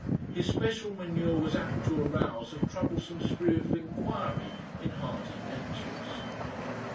His special manure was apt to arouse a troublesome spirit of inquiry in hardy natures.